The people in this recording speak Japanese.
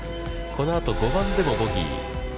このあと、５番でもボギー。